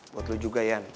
buat lo juga ya